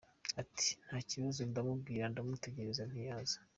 Ati : nta kibazo, ndamubwira, ndamutegereza ntiyaza.